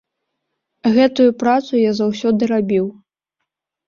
Гэтую працу я заўсёды рабіў.